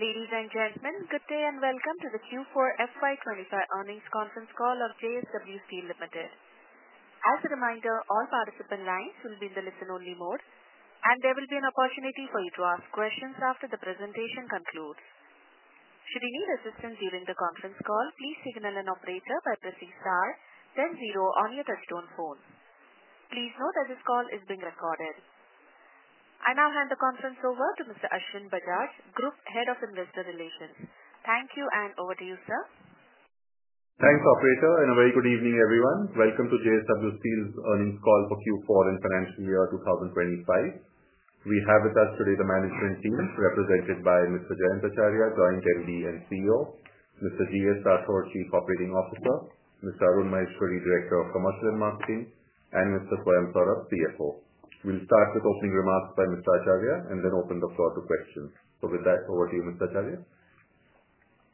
Ladies and gentlemen, good day and welcome to the Q4 FY 2025 Earnings Conference Call of JSW Steel Limited. As a reminder, all participant lines will be in the listen-only mode, and there will be an opportunity for you to ask questions after the presentation concludes. Should you need assistance during the conference call, please signal an operator by pressing star, then zero on your touchstone phone. Please note that this call is being recorded. I now hand the conference over to Mr. Ashwin Bajaj, Group Head of Investor Relations. Thank you, and over to you, sir. Thanks, Operator, and a very good evening, everyone. Welcome to JSW Steel's earnings call for Q4 and financial year 2025. We have with us today the management team represented by Mr. Jayant Acharya, Joint Managing Director and CEO, Mr. GS Rathore, Chief Operating Officer, Mr. Arun Maheshwari, Director of Commercial and Marketing, and Mr. Swayam Saurabh, CFO. We'll start with opening remarks by Mr. Acharya and then open the floor to questions. With that, over to you, Mr. Acharya.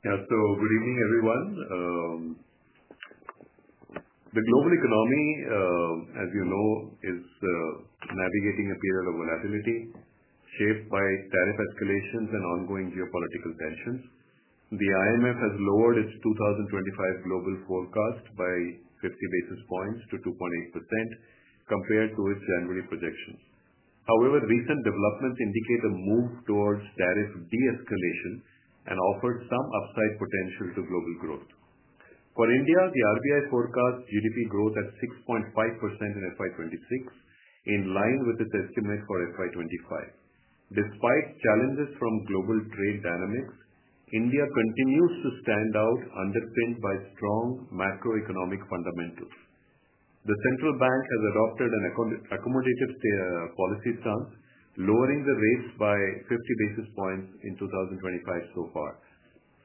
Yeah, so good evening, everyone. The global economy, as you know, is navigating a period of volatility shaped by tariff escalations and ongoing geopolitical tensions. The IMF has lowered its 2025 global forecast by 50 basis points to 2.8% compared to its January projections. However, recent developments indicate a move towards tariff de-escalation and offer some upside potential to global growth. For India, the RBI forecasts GDP growth at 6.5% in FY 2026, in line with its estimate for FY 2025. Despite challenges from global trade dynamics, India continues to stand out, underpinned by strong macroeconomic fundamentals. The central bank has adopted an accommodative policy stance, lowering the rates by 50 basis points in 2025 so far.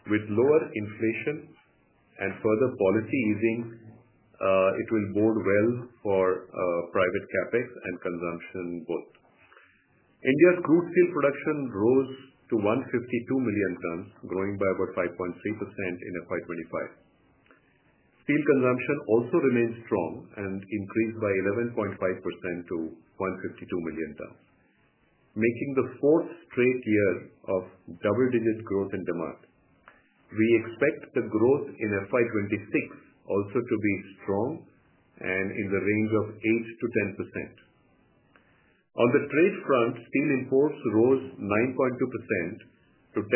With lower inflation and further policy easing, it will bode well for private capex and consumption both. India's crude steel production rose to 152 million tons, growing by about 5.3% in FY 2025. Steel consumption also remains strong and increased by 11.5% to 152 million tons, making the fourth straight year of double-digit growth in demand. We expect the growth in FY 2026 also to be strong and in the range of 8%-10%. On the trade front, steel imports rose 9.2% to 10.5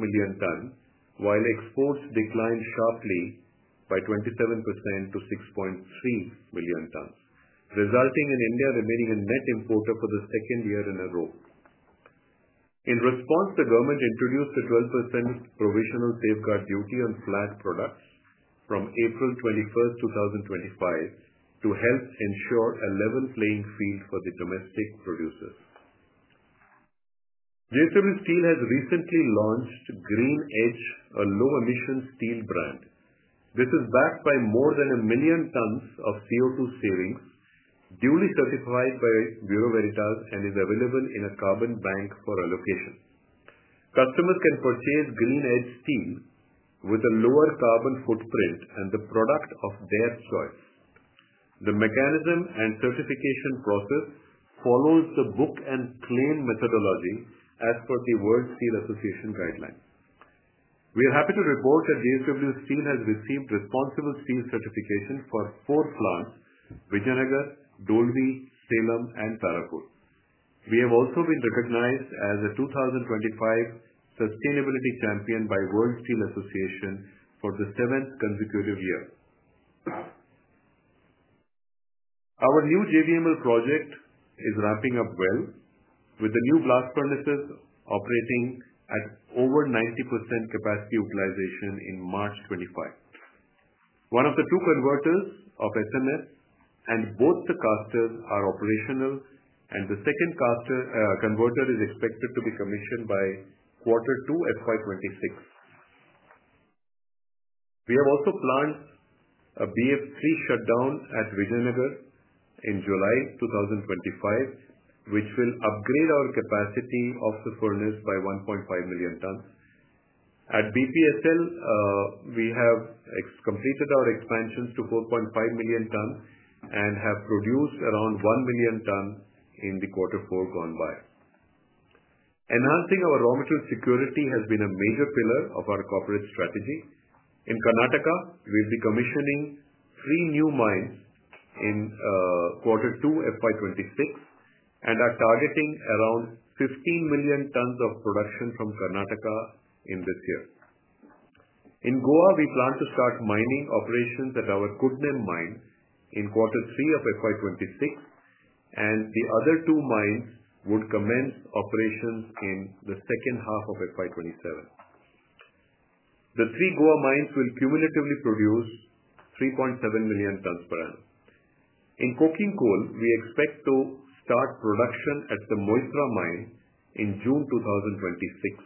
million tons, while exports declined sharply by 27% to 6.3 million tons, resulting in India remaining a net importer for the second year in a row. In response, the government introduced a 12% provisional safeguard duty on flagged products from April 21, 2025, to help ensure a level playing field for the domestic producers. JSW Steel has recently launched GreenEdge, a low-emission steel brand. This is backed by more than 1 million tons of CO2 savings, duly certified by Bureau Veritas, and is available in a carbon bank for allocation. Customers can purchase GreenEdge steel with a lower carbon footprint and the product of their choice. The mechanism and certification process follows the book and claim methodology as per the World Steel Association guidelines. We are happy to report that JSW Steel has received Responsible Steel Certification for four plants: Vijayanagar, Dolvi, Salem, and Parakh. We have also been recognized as a 2025 Sustainability Champion by World Steel Association for the seventh consecutive year. Our new JVML project is ramping up well, with the new blast furnaces operating at over 90% capacity utilization in March 2025. One of the two converters of SMS and both the casters are operational, and the second converter is expected to be commissioned by quarter two FY 2026. We have also planned a BF3 shutdown at Vijayanagar in July 2025, which will upgrade our capacity of the furnace by 1.5 million tons. At BPSL, we have completed our expansions to 4.5 million tons and have produced around 1 million tons in the quarter four gone by. Enhancing our raw material security has been a major pillar of our corporate strategy. In Karnataka, we will be commissioning three new mines in quarter two FY 2026, and are targeting around 15 million tons of production from Karnataka in this year. In Goa, we plan to start mining operations at our Kudnem mine in quarter three of FY 2026, and the other two mines would commence operations in the second half of FY 2027. The three Goa mines will cumulatively produce 3.7 million tons per annum. In coking coal, we expect to start production at the Moithra mine in June 2026.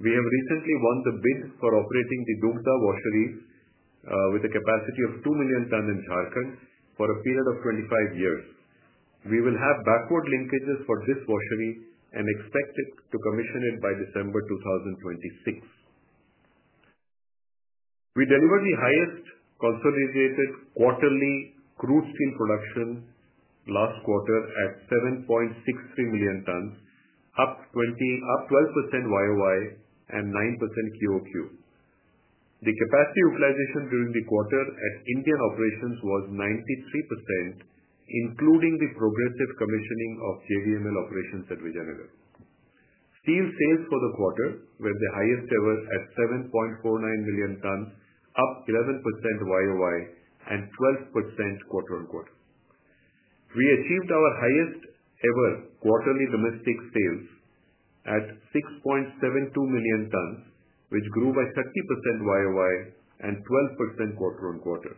We have recently won the bid for operating the Dugda washeries with a capacity of 2 million tons in Jharkhand for a period of 25 years. We will have backward linkages for this washery and expect to commission it by December 2026. We delivered the highest consolidated quarterly crude steel production last quarter at 7.63 million tons, up 12% year over year and 9% quarter over quarter. The capacity utilization during the quarter at Indian operations was 93%, including the progressive commissioning of JVML operations at Vijayanagar. Steel sales for the quarter were the highest ever at 7.49 million tons, up 11% year over year and 12% quarter on quarter. We achieved our highest ever quarterly domestic sales at 6.72 million tons, which grew by 30% year over year and 12% quarter on quarter,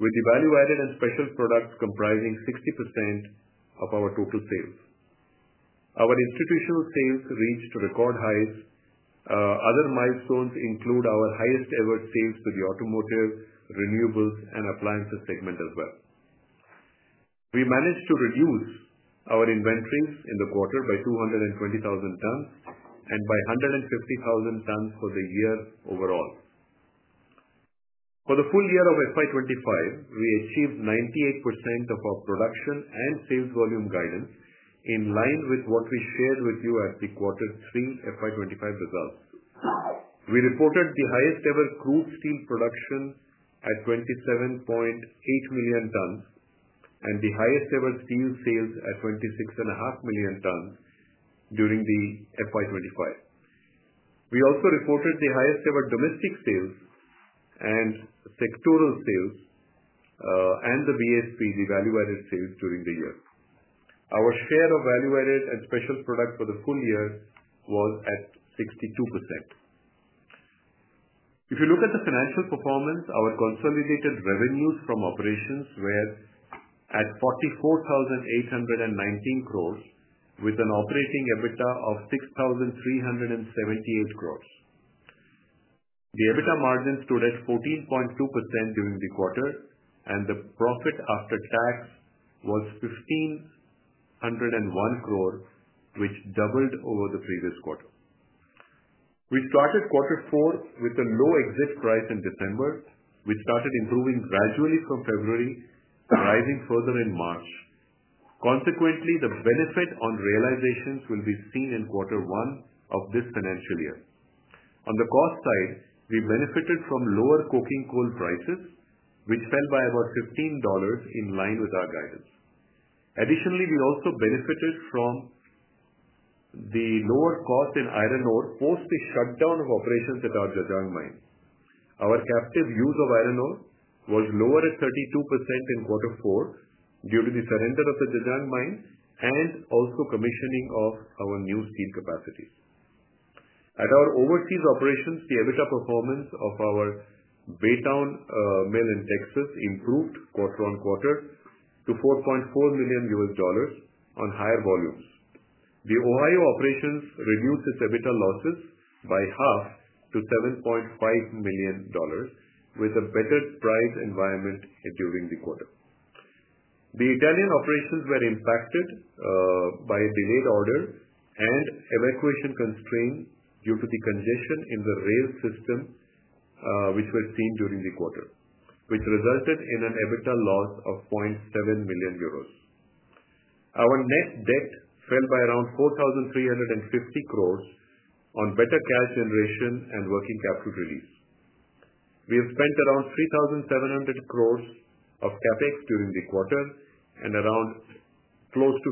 with the value-added and special products comprising 60% of our total sales. Our institutional sales reached record highs. Other milestones include our highest ever sales to the automotive, renewables, and appliances segment as well. We managed to reduce our inventories in the quarter by 220,000 tons and by 150,000 tons for the year overall. For the full year of FY 2025, we achieved 98% of our production and sales volume guidance in line with what we shared with you at the quarter three FY 2025 results. We reported the highest ever crude steel production at 27.8 million tons and the highest ever steel sales at 26.5 million tons during the FY 2025. We also reported the highest ever domestic sales and sectoral sales and the VSPs, the value-added sales during the year. Our share of value-added and special product for the full year was at 62%. If you look at the financial performance, our consolidated revenues from operations were at 44,819 crores, with an operating EBITDA of 6,378 crores. The EBITDA margin stood at 14.2% during the quarter, and the profit after tax was 1,501 crore, which doubled over the previous quarter. We started quarter four with a low exit price in December, which started improving gradually from February, rising further in March. Consequently, the benefit on realizations will be seen in quarter one of this financial year. On the cost side, we benefited from lower coking coal prices, which fell by about $15 in line with our guidance. Additionally, we also benefited from the lower cost in iron ore post the shutdown of operations at our Jajang mine. Our captive use of iron ore was lower at 32% in quarter four due to the surrender of the Jajang mine and also commissioning of our new steel capacities. At our overseas operations, the EBITDA performance of our Baytown mill in Texas improved quarter on quarter to $4.4 million on higher volumes. The Ohio operations reduced its EBITDA losses by half to $7.5 million, with a better price environment during the quarter. The Italian operations were impacted by a delayed order and evacuation constraint due to the congestion in the rail system, which were seen during the quarter, which resulted in an EBITDA loss of 0.7 million euros. Our net debt fell by around 4,350 crores on better cash generation and working capital release. We have spent around 3,700 crores of CapEx during the quarter and around close to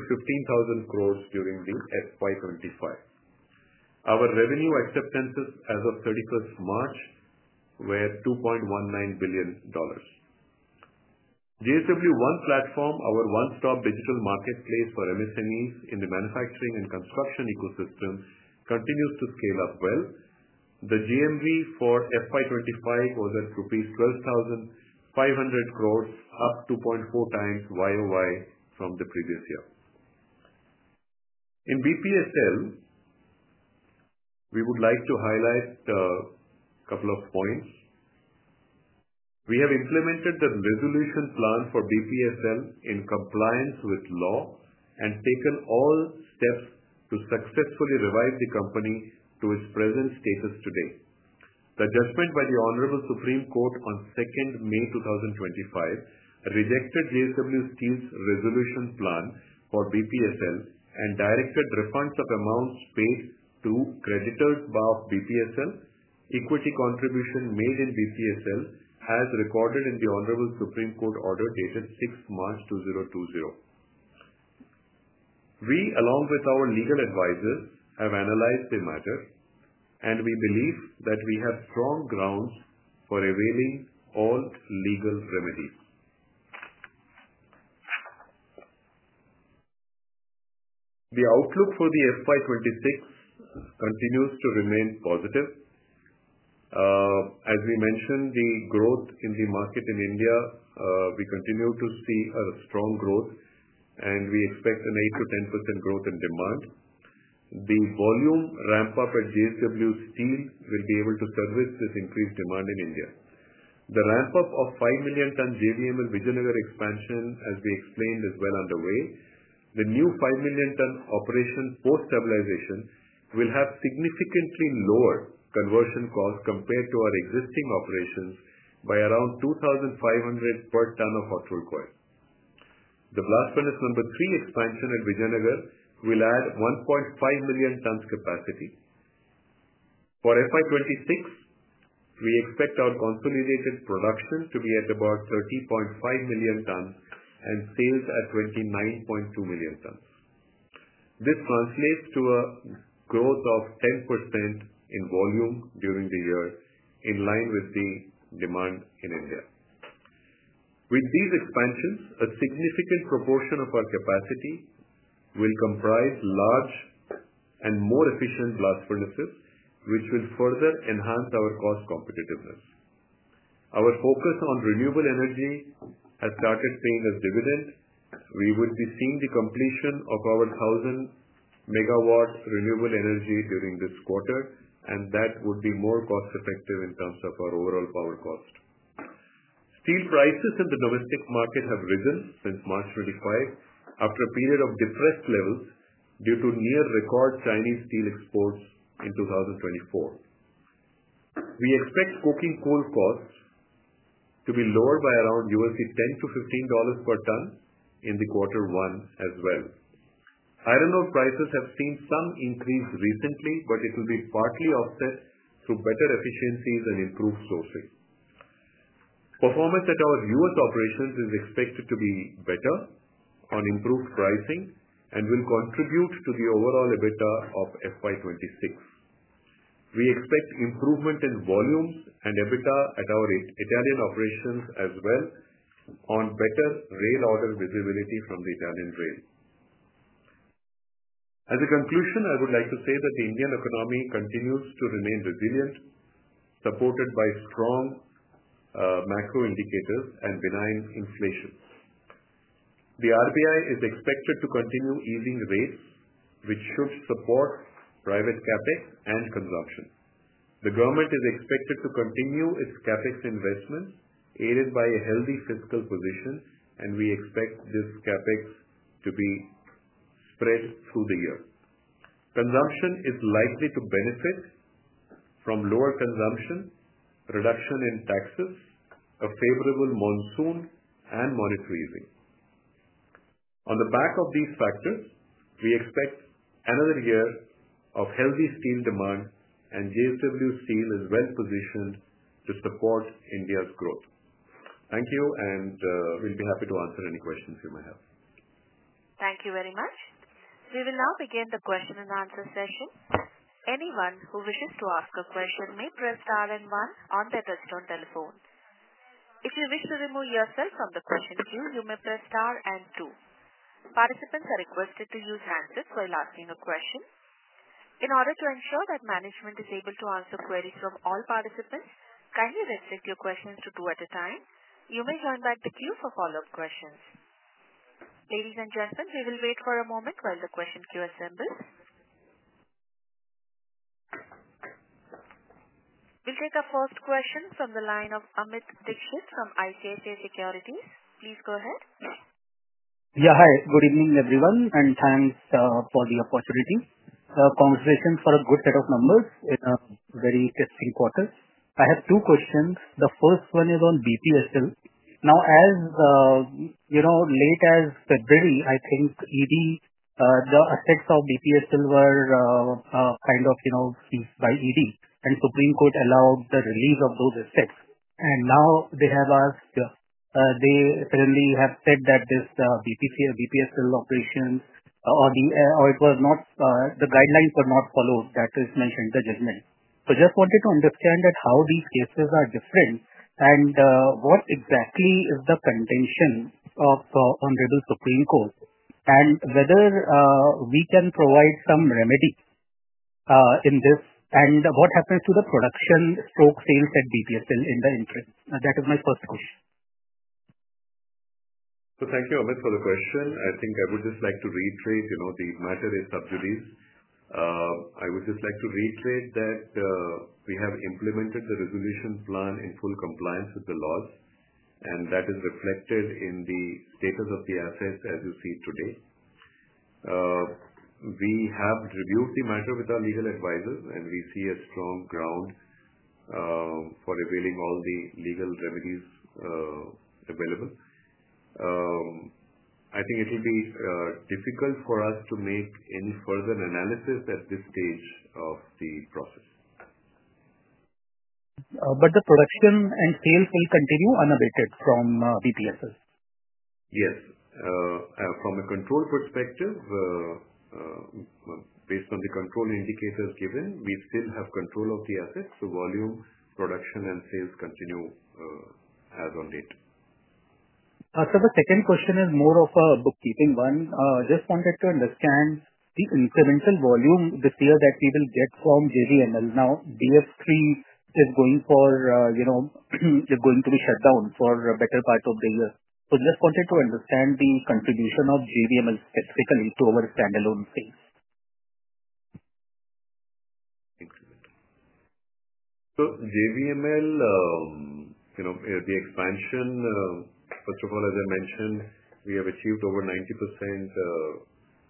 15,000 crores during the FY2025. Our revenue acceptances as of 31st March were $2.19 billion. JSW One Platform, our one-stop digital marketplace for MSMEs in the manufacturing and construction ecosystem, continues to scale up well. The GMV for FY 2025 was at rupees 12,500 crores, up 2.4 times YOY from the previous year. In BPSL, we would like to highlight a couple of points. We have implemented the resolution plan for BPSL in compliance with law and taken all steps to successfully revive the company to its present status today. The judgment by the Honorable Supreme Court on May 2, 2025 rejected JSW Steel's resolution plan for BPSL and directed refunds of amounts paid to creditors of BPSL. Equity contribution made in BPSL as recorded in the Honorable Supreme Court order dated March 6, 2020. We, along with our legal advisors, have analyzed the matter, and we believe that we have strong grounds for availing all legal remedies. The outlook for the FY 2026 continues to remain positive. As we mentioned, the growth in the market in India, we continue to see a strong growth, and we expect an 8%-10% growth in demand. The volume ramp-up at JSW Steel will be able to service this increased demand in India. The ramp-up of 5 million tons JVML Vijayanagar expansion, as we explained, is well underway. The new 5 million ton operation post-stabilization will have significantly lower conversion costs compared to our existing operations by around 2,500 per ton of hot rolled coil. The blast furnace number three expansion at Vijayanagar will add 1.5 million tons capacity. For FY 2026, we expect our consolidated production to be at about 30.5 million tons and sales at 29.2 million tons. This translates to a growth of 10% in volume during the year, in line with the demand in India. With these expansions, a significant proportion of our capacity will comprise large and more efficient blast furnaces, which will further enhance our cost competitiveness. Our focus on renewable energy has started paying its dividend. We would be seeing the completion of our 1,000 MW renewable energy during this quarter, and that would be more cost-effective in terms of our overall power cost. Steel prices in the domestic market have risen since March 25 after a period of depressed levels due to near-record Chinese steel exports in 2024. We expect coking coal costs to be lower by around $10-$15 per ton in quarter one as well. Iron ore prices have seen some increase recently, but it will be partly offset through better efficiencies and improved sourcing. Performance at our U.S. operations is expected to be better on improved pricing and will contribute to the overall EBITDA of FY 2026. We expect improvement in volumes and EBITDA at our Italian operations as well on better rail order visibility from the Italian rail. As a conclusion, I would like to say that the Indian economy continues to remain resilient, supported by strong macro indicators and benign inflation. The RBI is expected to continue easing rates, which should support private capex and consumption. The government is expected to continue its capex investment, aided by a healthy fiscal position, and we expect this capex to be spread through the year. Consumption is likely to benefit from lower consumption, reduction in taxes, a favorable monsoon, and monetary easing. On the back of these factors, we expect another year of healthy steel demand, and JSW Steel is well positioned to support India's growth. Thank you, and we'll be happy to answer any questions you may have. Thank you very much. We will now begin the question and answer session. Anyone who wishes to ask a question may press star and one on their touchstone telephone. If you wish to remove yourself from the question queue, you may press star and two. Participants are requested to use hands if while asking a question. In order to ensure that management is able to answer queries from all participants, kindly restrict your questions to two at a time. You may join back the queue for follow-up questions. Ladies and gentlemen, we will wait for a moment while the question queue assembles. We'll take a first question from the line of Amit Dixit from ICICI Securities. Please go ahead. Yeah, hi. Good evening, everyone, and thanks for the opportunity. Congratulations for a good set of numbers in a very testing quarter. I have two questions. The first one is on BPSL. Now, as you know, late as February, I think ED, the assets of BPSL were kind of by ED, and Supreme Court allowed the release of those assets. Now they have asked, they currently have said that this BPSL operation, or it was not, the guidelines were not followed, that is mentioned in the judgment. I just wanted to understand how these cases are different and what exactly is the contention of Honorable Supreme Court and whether we can provide some remedy in this and what happens to the production stroke sales at BPSL in the interim. That is my first question. Thank you, Amit, for the question. I think I would just like to reiterate the matter is sub judice. I would just like to reiterate that we have implemented the resolution plan in full compliance with the laws, and that is reflected in the status of the assets as you see today. We have reviewed the matter with our legal advisors, and we see a strong ground for availing all the legal remedies available. I think it will be difficult for us to make any further analysis at this stage of the process. Are the production and sales going to continue unabated from BPSL? Yes. From a control perspective, based on the control indicators given, we still have control of the assets. So volume, production, and sales continue as of date. The second question is more of a bookkeeping one. Just wanted to understand the incremental volume this year that we will get from JVML. Now, DS3 is going to be shut down for a better part of the year. Just wanted to understand the contribution of JVML specifically to our standalone space. JVML, the expansion, first of all, as I mentioned, we have achieved over 90%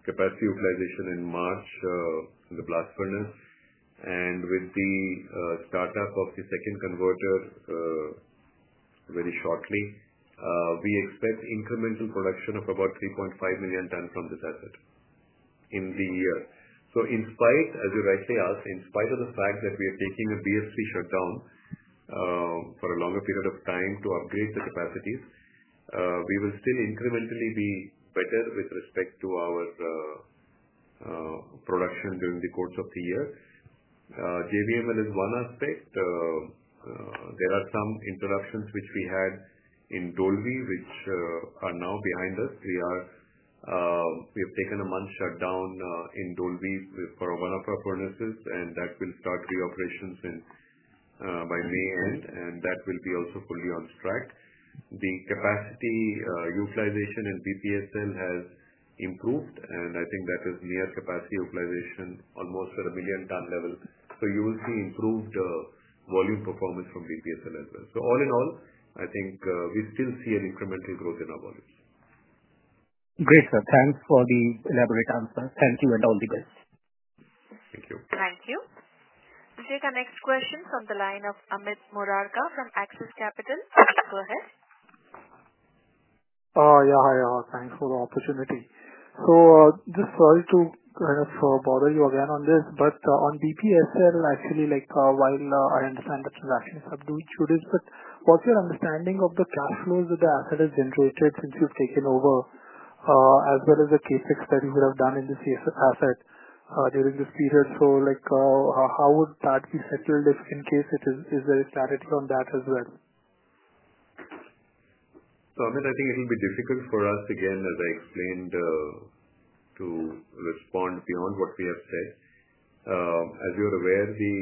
capacity utilization in March in the blast furnace. With the startup of the second converter very shortly, we expect incremental production of about 3.5 million tons from this asset in the year. In spite, as you rightly asked, in spite of the fact that we are taking a BPSL shutdown for a longer period of time to upgrade the capacities, we will still incrementally be better with respect to our production during the course of the year. JVML is one aspect. There are some interruptions which we had in Dolvi, which are now behind us. We have taken a month shutdown in Dolvi for one of our furnaces, and that will start reoperations by May end, and that will be also fully on track. The capacity utilization in BPSL has improved, and I think that is near capacity utilization, almost at a million ton level. You will see improved volume performance from BPSL as well. All in all, I think we still see an incremental growth in our volumes. Great, sir. Thanks for the elaborate answer. Thank you and all the best. Thank you. Thank you. We'll take our next question from the line of Amit Murarka from Axis Capital. Please go ahead. Yeah, hi. Thanks for the opportunity. Just sorry to kind of bother you again on this, but on BPSL, actually, while I understand the transaction is subdued, what's your understanding of the cash flows that the asset has generated since you've taken over, as well as the K6 study you would have done in this asset during this period? How would that be settled if in case it is very static on that as well? Amit, I think it will be difficult for us, again, as I explained, to respond beyond what we have said. As you are aware, the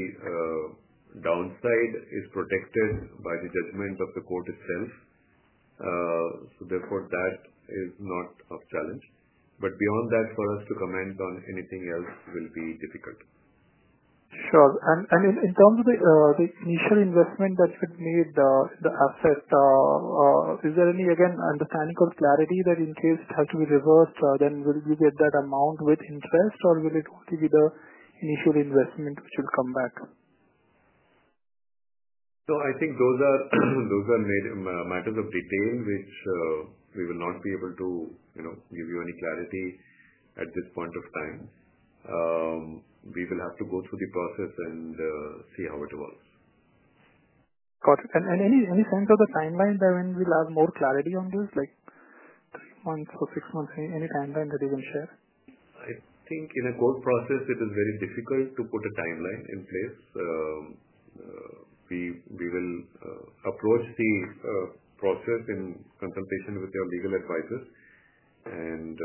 downside is protected by the judgment of the court itself. Therefore, that is not of challenge. Beyond that, for us to comment on anything else will be difficult. Sure. I mean, in terms of the initial investment that should be the asset, is there any, again, understanding or clarity that in case it has to be reversed, then will you get that amount with interest, or will it be the initial investment which will come back? I think those are matters of detail, which we will not be able to give you any clarity at this point of time. We will have to go through the process and see how it evolves. Got it. Any sense of a timeline by when we'll have more clarity on this, like three months or six months, any timeline that you can share? I think in a court process, it is very difficult to put a timeline in place. We will approach the process in consultation with your legal advisors, and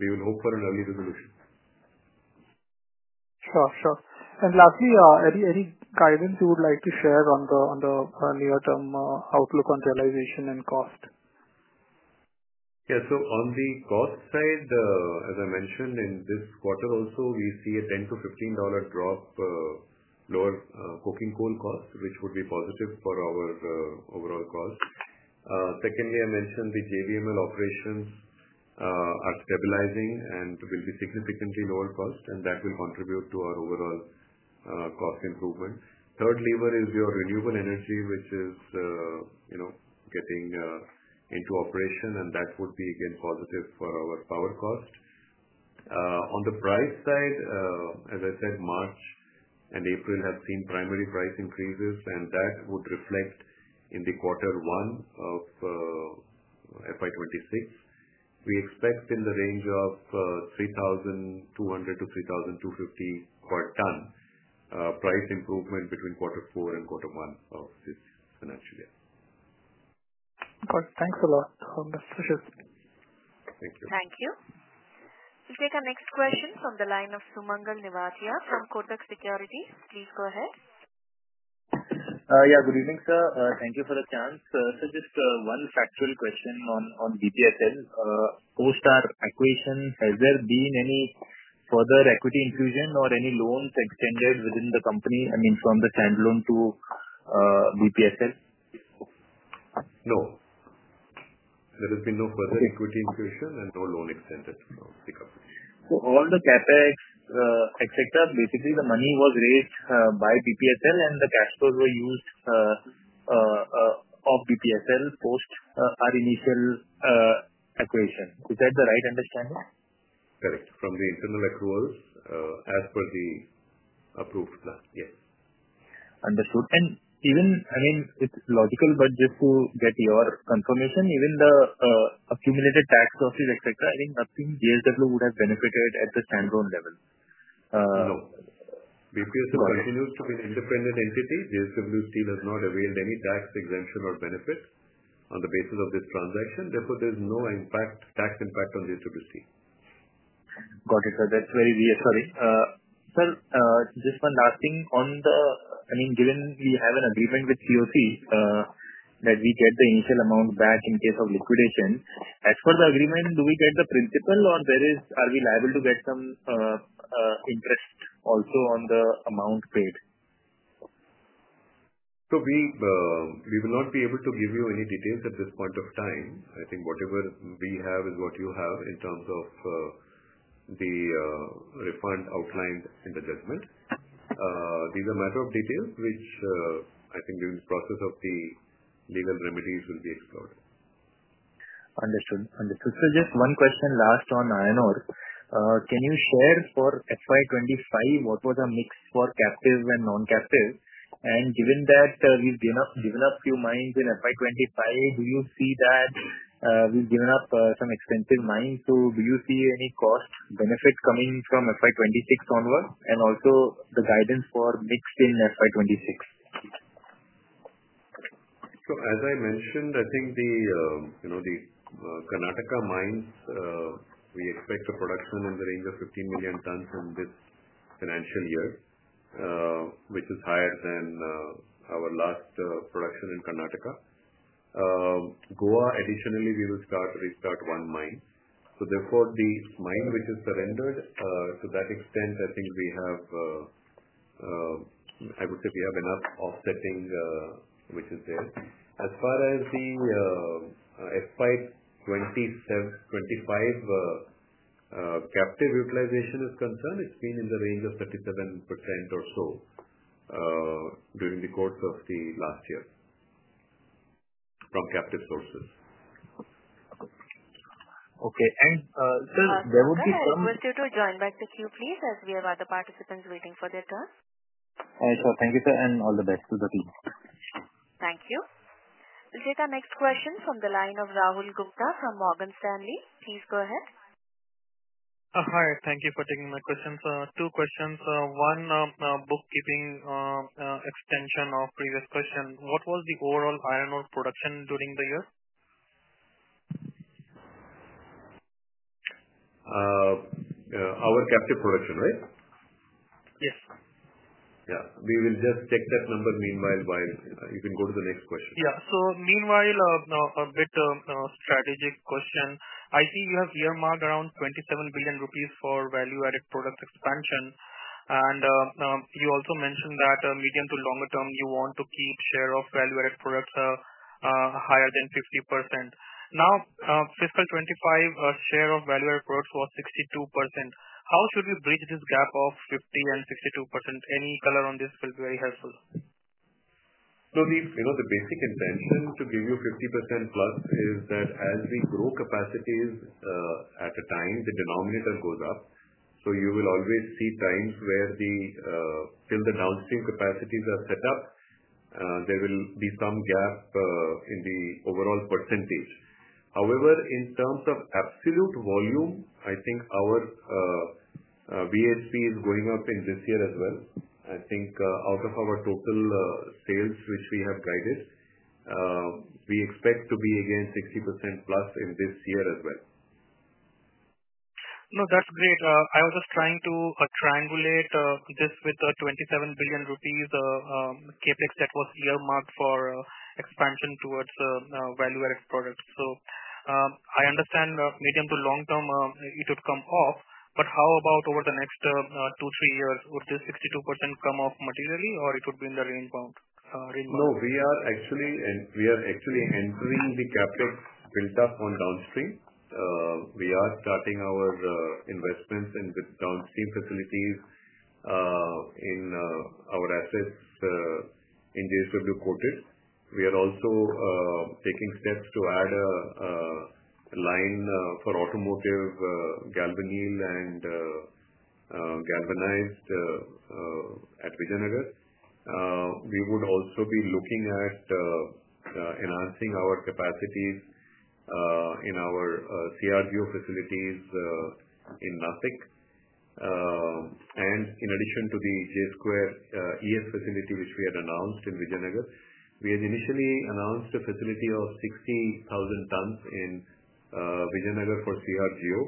we will hope for an early resolution. Sure, sure. Lastly, any guidance you would like to share on the near-term outlook on realization and cost? Yeah. On the cost side, as I mentioned, in this quarter also, we see a $10-$15 drop, lower coking coal cost, which would be positive for our overall cost. Secondly, I mentioned the JVML operations are stabilizing and will be significantly lower cost, and that will contribute to our overall cost improvement. Third lever is your renewable energy, which is getting into operation, and that would be, again, positive for our power cost. On the price side, as I said, March and April have seen primary price increases, and that would reflect in the quarter one of FY 2026. We expect in the range of 3,200-3,250 per ton price improvement between quarter four and quarter one of this financial year. Got it. Thanks a lot. That's precious. Thank you. Thank you. We'll take our next question from the line of Sumangal Nevatia from Kotak Securities. Please go ahead. Yeah, good evening, sir. Thank you for the chance. Just one factual question on BPSL. Post our acquisition, has there been any further equity infusion or any loans extended within the company, I mean, from the standalone to BPSL? No. There has been no further equity infusion and no loan extended to the company. All the CapEx, etc., basically the money was raised by BPSL, and the cash flows were used of BPSL post our initial acquisition. Is that the right understanding? Correct. From the internal accruals as per the approved plan. Yes. Understood. I mean, it's logical, but just to get your confirmation, even the accumulated tax losses, etc., I think nothing JSW would have benefited at the standalone level. No. BPSL continues to be an independent entity. JSW Steel has not availed any tax exemption or benefit on the basis of this transaction. Therefore, there is no impact, tax impact on JSW Steel. Got it, sir. That is very reassuring. Sir, just one last thing. I mean, given we have an agreement with COC that we get the initial amount back in case of liquidation, as per the agreement, do we get the principal, or are we liable to get some interest also on the amount paid? We will not be able to give you any details at this point of time. I think whatever we have is what you have in terms of the refund outlined in the judgment. These are a matter of details which I think during the process of the legal remedies will be explored. Understood. Understood. Just one question last on INR. Can you share for FY 2025 what was our mix for captive and non-captive? Given that we've given up few mines in FY 2025, do you see that we've given up some extensive mines? Do you see any cost benefit coming from FY 2026 onward? Also, the guidance for mix in FY 2026? As I mentioned, I think the Karnataka mines, we expect a production in the range of 15 million tons in this financial year, which is higher than our last production in Karnataka. Goa, additionally, we will restart one mine. Therefore, the mine which is surrendered, to that extent, I think we have, I would say we have enough offsetting which is there. As far as the FY 2025 captive utilization is concerned, it's been in the range of 37% or so during the course of the last year from captive sources. Okay. Sir, there would be some— I would like you to join back the queue, please, as we have other participants waiting for their turn. Sure. Thank you, sir. All the best to the team. Thank you. We'll take our next question from the line of Rahul Gupta from Morgan Stanley. Please go ahead. Hi. Thank you for taking my questions. Two questions. One bookkeeping extension of previous question. What was the overall INR production during the year? Our captive production, right? Yes. Yeah. We will just take that number meanwhile while you can go to the next question. Yeah. Meanwhile, a bit strategic question. I see you have earmarked around 27 billion rupees for value-added products expansion. You also mentioned that medium to longer term, you want to keep share of value-added products higher than 50%. Now, fiscal 2025, share of value-added products was 62%. How should we bridge this gap of 50% and 62%? Any color on this will be very helpful. The basic intention to give you 50%+ is that as we grow capacities at a time, the denominator goes up. You will always see times where till the downstream capacities are set up, there will be some gap in the overall percentage. However, in terms of absolute volume, I think our BPSL is going up in this year as well. Out of our total sales which we have guided, we expect to be again 60%+ in this year as well. No, that's great. I was just trying to triangulate this with the 27 billion rupees CapEx that was earmarked for expansion towards value-added products. I understand medium to long term, it would come off. How about over the next two, three years, would this 62% come off materially, or it would be in the rainbow? No, we are actually entering the CapEx built up on downstream. We are starting our investments in the downstream facilities in our assets in JSW coated. We are also taking steps to add a line for automotive galvanized at Vijayanagar. We would also be looking at enhancing our capacities in our CRGO facilities in Nashik. In addition to the JSW ES facility which we had announced in Vijayanagar, we had initially announced a facility of 60,000 tons in Vijayanagar for CRGO.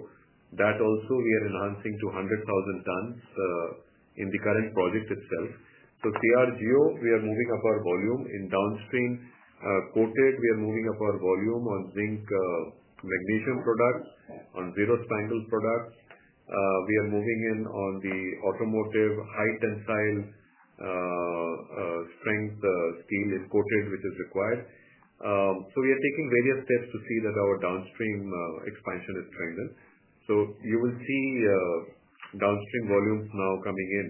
That also we are enhancing to 100,000 tons in the current project itself. So CRGO, we are moving up our volume. In downstream coated, we are moving up our volume on zinc magnesium products, on zero-spangled products. We are moving in on the automotive high-tensile strength steel in quoted which is required. So we are taking various steps to see that our downstream expansion is trending. You will see downstream volumes now coming in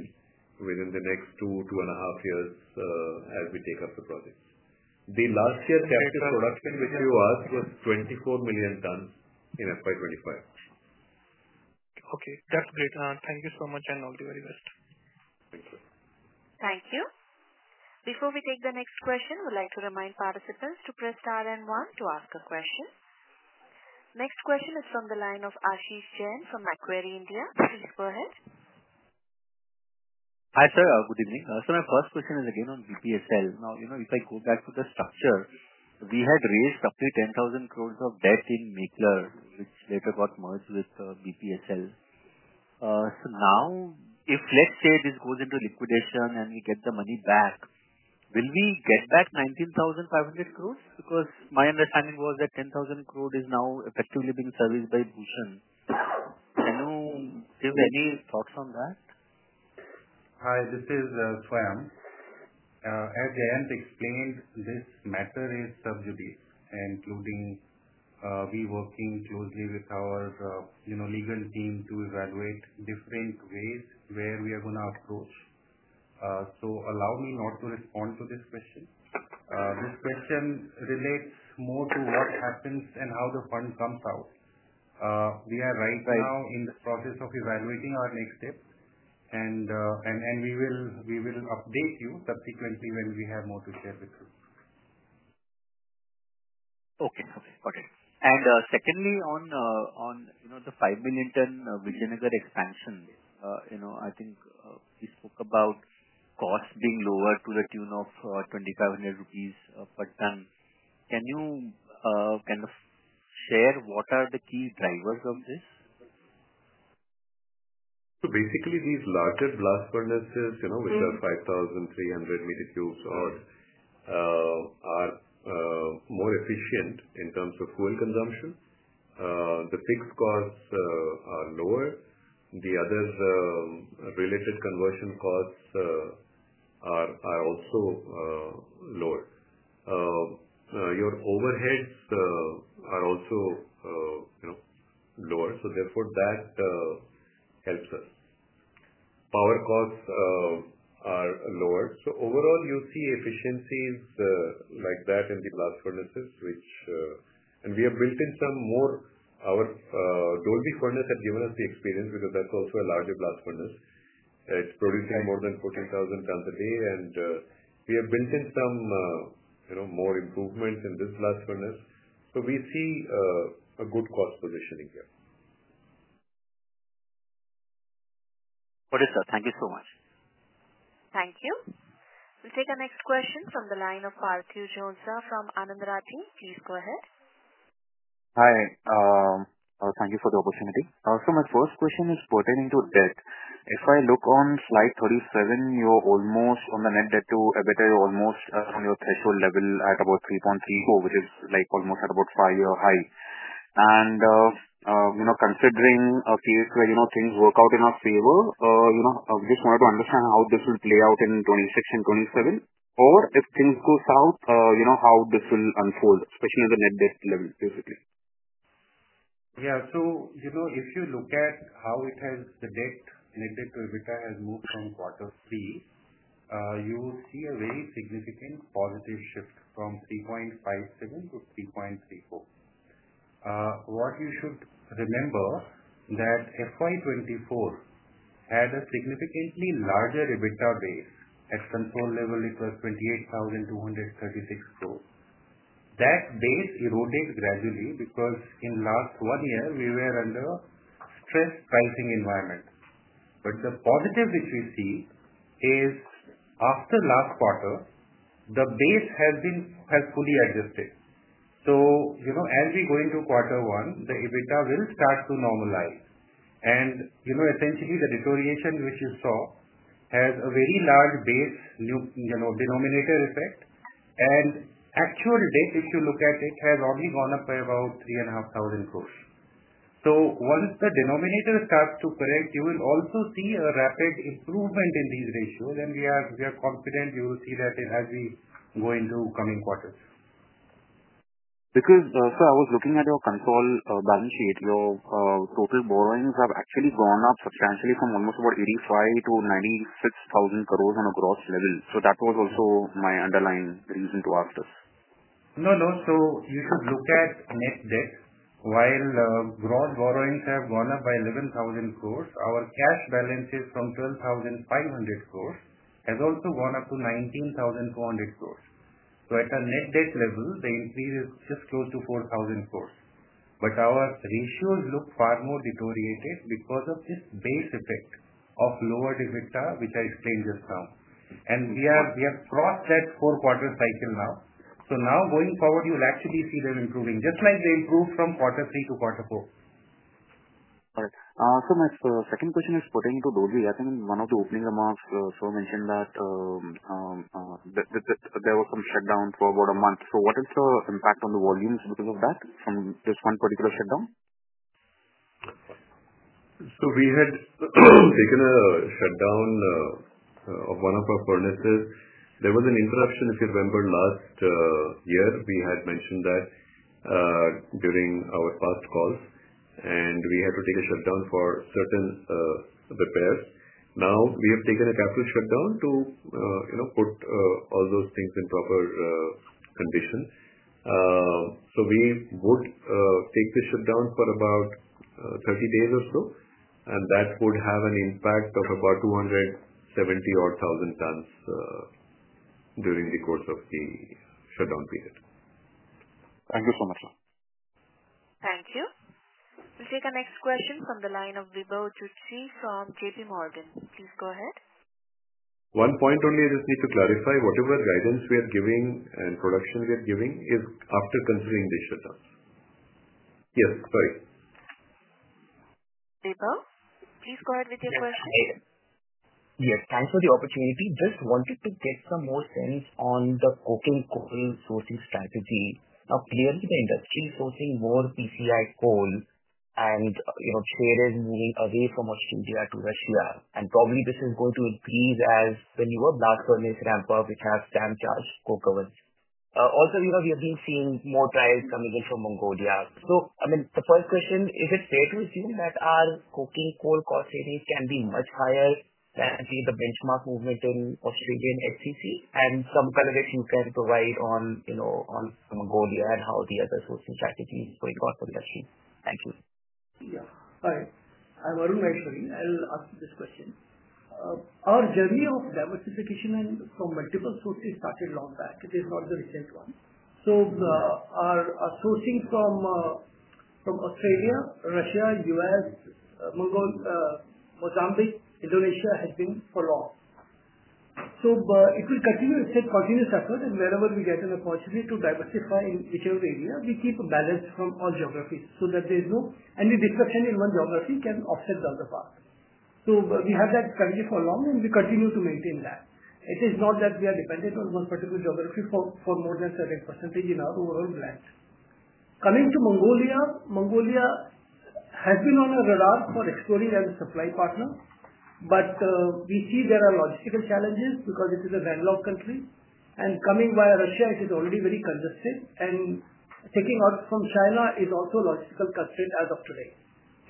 within the next two, two and a half years as we take up the projects. The last year captive production which you asked was 24 million tons in FY 2025. Okay. That's great. Thank you so much, and all the very best. Thank you. Thank you. Before we take the next question, we'd like to remind participants to press star and one to ask a question. Next question is from the line of Ashish Jain from Macquarie, India. Please go ahead. Hi, sir. Good evening. My first question is again on BPSL. Now, if I go back to the structure, we had raised up to 10,000 crores of debt in MCLR, which later got merged with BPSL. If, let's say, this goes into liquidation and we get the money back, will we get back 19,500 crores? Because my understanding was that 10,000 crores is now effectively being serviced by Bhushan. Can you give any thoughts on that? Hi. This is Swayam. As Jayant explained, this matter is sub judice, including we working closely with our legal team to evaluate different ways where we are going to approach. Allow me not to respond to this question. This question relates more to what happens and how the fund comes out. We are right now in the process of evaluating our next step, and we will update you subsequently when we have more to share with you. Okay. Okay. Okay. Secondly, on the 5 million ton Vijayanagar expansion, I think we spoke about cost being lower to the tune of 20,000 rupees per ton. Can you kind of share what are the key drivers of this? Basically, these larger blast furnaces, which are 5,300 metric cubes, are more efficient in terms of fuel consumption, the fixed costs are lower. The other related conversion costs are also lower. Your overheads are also lower. Therefore, that helps us. Power costs are lower. Overall, you see efficiencies like that in the blast furnaces, and we have built in some more. Our Dolvi furnace has given us the experience because that is also a larger blast furnace. It is producing more than 14,000 tons a day, and we have built in some more improvements in this blast furnace. We see a good cost positioning here. Got it, sir. Thank you so much. Thank you. We'll take our next question from the line of [Harthu Jozza] from Anand Rathi. Please go ahead. Hi. Thank you for the opportunity. So my first question is pertaining to debt. If I look on slide 37, you're almost on the net debt to EBITDA, you're almost on your threshold level at about 3.34, which is almost at about 5-year high. Considering a case where things work out in our favor, I just wanted to understand how this will play out in 2026 and 2027, or if things go south, how this will unfold, especially on the net debt level, basically. Yeah. If you look at how it has the debt, net debt to EBITDA has moved from quarter three, you will see a very significant positive shift from 3.57-3.34. What you should remember is that FY 2024 had a significantly larger EBITDA base at control level. It was 28,236 crores. That base eroded gradually because in the last one year, we were under a stressed pricing environment. The positive which we see is after last quarter, the base has fully adjusted. As we go into quarter one, the EBITDA will start to normalize. Essentially, the deterioration which you saw has a very large base denominator effect. Actual debt, if you look at it, has only gone up by about 3,500 crores. Once the denominator starts to correct, you will also see a rapid improvement in these ratios, and we are confident you will see that as we go into coming quarters. Because, sir, I was looking at your control balance sheet. Your total borrowings have actually gone up substantially from almost about 85,000 to 96,000 crores on a gross level. That was also my underlying reason to ask this. No, no. You should look at net debt. While gross borrowings have gone up by INR 11,000 crores, our cash balances from INR 12,500 crores have also gone up to INR 19,400 crores. At a net debt level, the increase is just close to 4,000 crores. Our ratios look far more deteriorated because of this base effect of lowered EBITDA, which I explained just now. We have crossed that four-quarter cycle now. Now going forward, you will actually see them improving, just like they improved from quarter three to quarter four. All right. My second question is pertaining to Dolvi. I think in one of the opening remarks, sir mentioned that there was some shutdown for about a month. What is your impact on the volumes because of that from this one particular shutdown? We had taken a shutdown of one of our furnaces. There was an interruption, if you remember, last year. We had mentioned that during our past calls, and we had to take a shutdown for certain repairs. Now, we have taken a capital shutdown to put all those things in proper condition. We would take the shutdown for about 30 days or so, and that would have an impact of about 270,000 tons during the course of the shutdown period. Thank you so much, sir. Thank you. We'll take our next question from the line of Vibhav Zutshi from JPMorgan. Please go ahead. One point only I just need to clarify. Whatever guidance we are giving and production we are giving is after considering these shutdowns. Yes. Sorry. Vibhav, please go ahead with your question. Yes. Thanks for the opportunity. Just wanted to get some more sense on the coking coal sourcing strategy. Now, clearly, the industry is sourcing more PCI coal, and share is moving away from Australia to Russia. Probably this is going to increase as the newer blast furnace ramp up, which has dam charged coal covers. Also, we have been seeing more trials coming in from Mongolia. I mean, the first question, is it fair to assume that our coking coal cost savings can be much higher than the benchmark movement in Australian HCC? Some color if you can provide on Mongolia and how the other sourcing strategy is going on for the industry. Thank you. Yeah. Hi. I'm Arun Maheshwari. I'll answer this question. Our journey of diversification from multiple sources started long back. It is not the recent one. Our sourcing from Australia, Russia, U.S., Mozambique, Indonesia has been for long. It will continue as a continuous effort, and wherever we get an opportunity to diversify in whichever area, we keep a balance from all geographies so that any disruption in one geography can offset the other part. We have that strategy for long, and we continue to maintain that. It is not that we are dependent on one particular geography for more than a certain % in our overall blend. Coming to Mongolia, Mongolia has been on our radar for exploring as a supply partner, but we see there are logistical challenges because it is a landlocked country. Coming via Russia, it is already very congested, and taking out from China is also a logistical constraint as of today.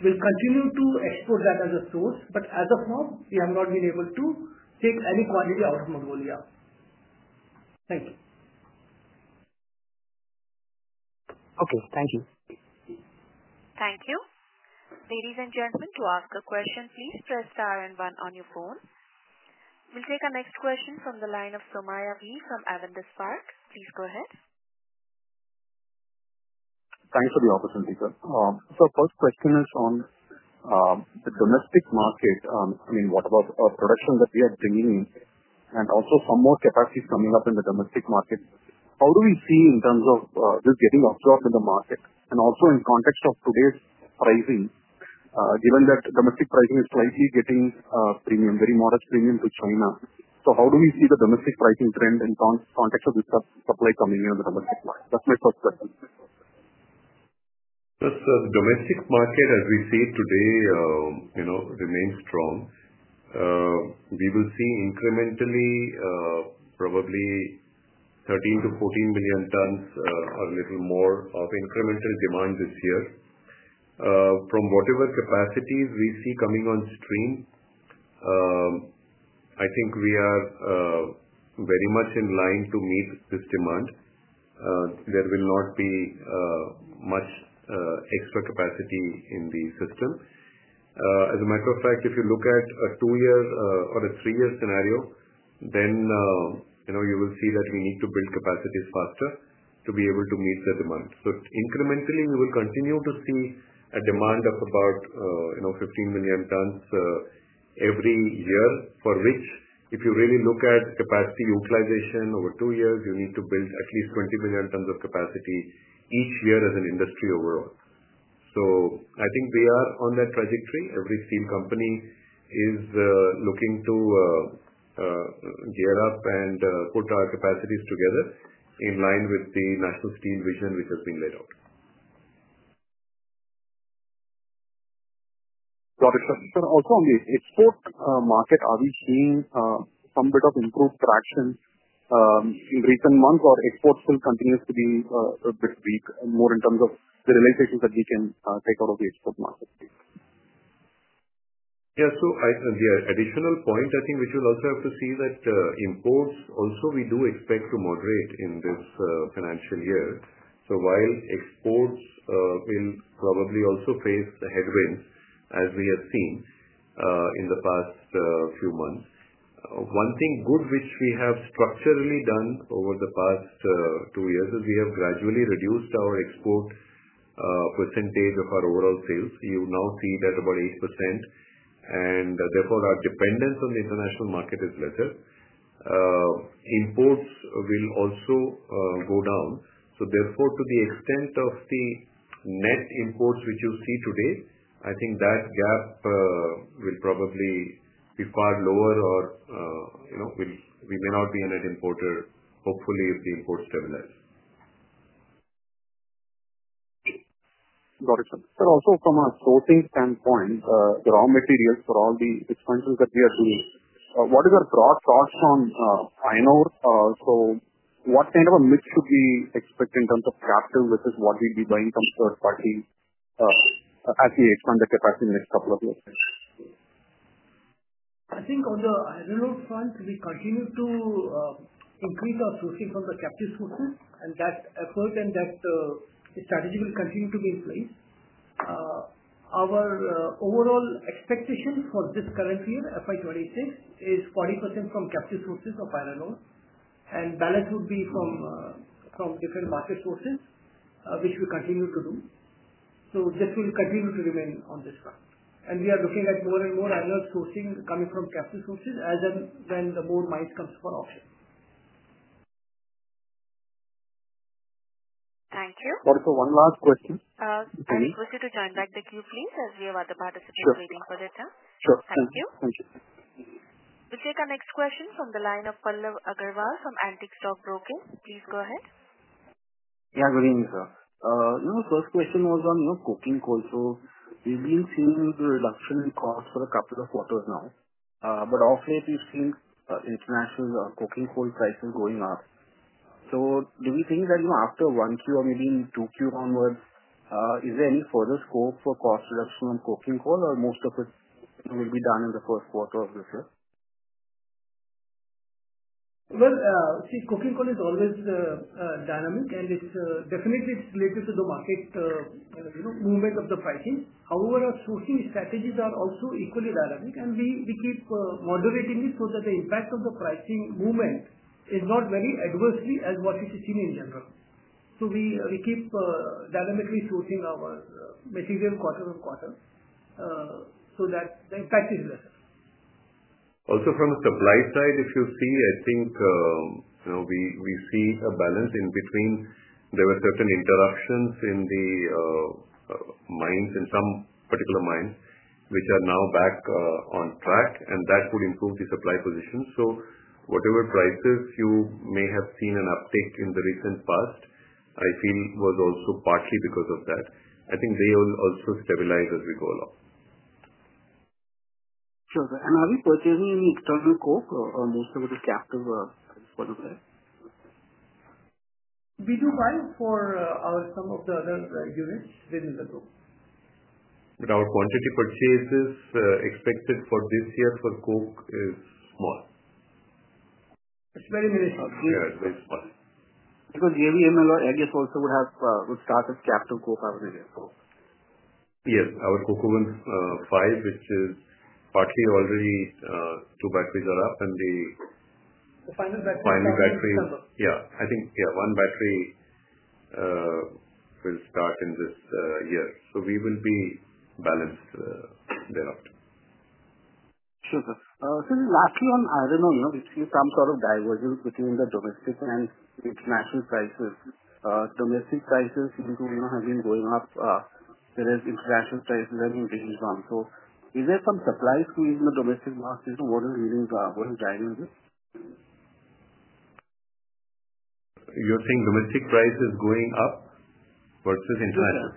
We will continue to export that as a source, but as of now, we have not been able to take any quality out of Mongolia. Thank you. Thank you. Ladies and gentlemen, to ask a question, please press star and one on your phone. We will take our next question from the line of Somaiah V from Avendas Spark. Please go ahead. Thanks for the opportunity, sir. First question is on the domestic market. I mean, what about production that we are bringing in and also some more capacity coming up in the domestic market? How do we see in terms of this getting absorbed in the market and also in context of today's pricing, given that domestic pricing is slightly getting premium, very modest premium to China? How do we see the domestic pricing trend in context of this supply coming in on the domestic market? That's my first question. The domestic market, as we see it today, remains strong. We will see incrementally, probably 13 tons-14 million tons or a little more of incremental demand this year. From whatever capacities we see coming on stream, I think we are very much in line to meet this demand. There will not be much extra capacity in the system. As a matter of fact, if you look at a two-year or a three-year scenario, then you will see that we need to build capacities faster to be able to meet the demand. Incrementally, we will continue to see a demand of about 15 million tons every year, for which, if you really look at capacity utilization over two years, you need to build at least 20 million tons of capacity each year as an industry overall. I think we are on that trajectory. Every steel company is looking to gear up and put our capacities together in line with the national steel vision which has been laid out. Got it, sir. Also, on the export market, are we seeing some bit of improved traction in recent months, or exports still continue to be a bit weak, more in terms of the realizations that we can take out of the export market? Yeah. The additional point, I think, which you'll also have to see is that imports also we do expect to moderate in this financial year. While exports will probably also face the headwinds as we have seen in the past few months, one thing good which we have structurally done over the past two years is we have gradually reduced our export percentage of our overall sales. You now see that at about 8%, and therefore our dependence on the international market is lesser. Imports will also go down. Therefore, to the extent of the net imports which you see today, I think that gap will probably be far lower or we may not be a net importer, hopefully, if the imports stabilize. Got it, sir. Also, from a sourcing standpoint, the raw materials for all the expansions that we are doing, what are your broad thoughts on iron ore? What kind of a mix should we expect in terms of capital, which is what we will be buying from third parties as we expand the capacity in the next couple of years? I think on the iron ore front, we continue to increase our sourcing from the captive sources, and that effort and that strategy will continue to be in place. Our overall expectation for this current year, FY 2026, is 40% from captive sources of iron ore, and balance would be from different market sources, which we continue to do. This will continue to remain on this front. We are looking at more and more iron ore sourcing coming from captive sources as and when more mines come up for auction. Thank you. Sorry, sir. One last question. Please. I am supposed to join back the queue, please, as we have other participants waiting for their turn. Sure. Thank you. Thank you. We'll take our next question from the line of Pallav Agarwal from Antique Stock Brokers. Please go ahead. Yeah. Good evening, sir. First question was on coking coal. So we've been seeing the reduction in costs for a couple of quarters now, but of late, we've seen international coking coal prices going up. So do we think that after one Q or maybe in two Q onwards, is there any further scope for cost reduction on coking coal, or most of it will be done in the first quarter of this year? See, coking coal is always dynamic, and definitely, it's related to the market movement of the pricing. However, our sourcing strategies are also equally dynamic, and we keep moderating it so that the impact of the pricing movement is not very adversely as what it is seen in general. We keep dynamically sourcing our material quarter on quarter so that the impact is lesser. Also, from the supply side, if you see, I think we see a balance in between. There were certain interruptions in the mines, in some particular mines, which are now back on track, and that would improve the supply position. Whatever prices you may have seen an uptick in the recent past, I feel was also partly because of that. I think they will also stabilize as we go along. Sure. Are we purchasing any external coke or most of it is captive as part of that? We do buy for some of the other units within the group. Our quantity purchases expected for this year for coke is small. It is very minuscule. Yeah. It is very small. Because JVML and LR Agis also would have started captive coke as an example. Yes. Our coke oven five, which is partly already, two batteries are up, and the final battery is December. Final battery. Yeah. I think, yeah, one battery will start in this year. So we will be balanced thereafter. Sure. Sir, lastly, on iron ore, we've seen some sort of divergence between the domestic and international prices. Domestic prices seem to have been going up, whereas international prices have been decreased down. Is there some supply squeeze in the domestic market? What is driving this? You're saying domestic price is going up versus international?